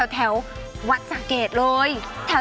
แถววัดสะเกดเลย